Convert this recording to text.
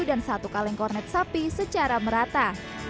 dan satu kaleng kornet sapi secara merata